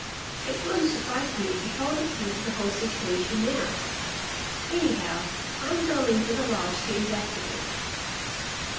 It wouldn't surprise me if we hold the key to the whole situation now. Anyhow, I'm going to the lodge to investigate."